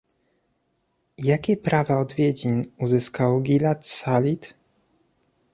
Jakie prawa odwiedzin uzyskał Gilad Shalit?